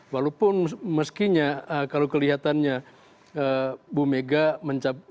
walaupun meskinya kalau kelihatannya bu megawati menyampaikan